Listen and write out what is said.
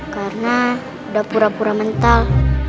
karena udah pura pura mental